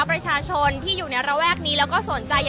อาจจะออกมาใช้สิทธิ์กันแล้วก็จะอยู่ยาวถึงในข้ามคืนนี้เลยนะคะ